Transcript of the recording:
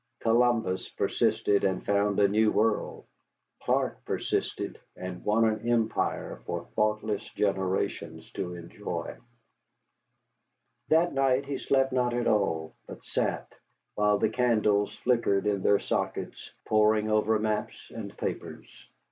Columbus persisted, and found a new world; Clark persisted, and won an empire for thoughtless generations to enjoy. That night he slept not at all, but sat, while the candles flickered in their sockets, poring over maps and papers.